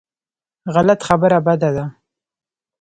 غلط خبره بده ده.